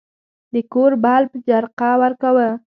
د کور بلب جرقه ورکاوه.